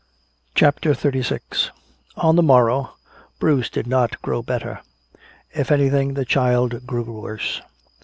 CHAPTER XXXVI On the morrow Bruce did not grow better. If anything, the child grew worse.